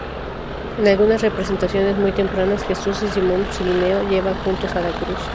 En algunas representaciones muy tempranas, Jesús y Simón Cirineo llevan juntos la cruz.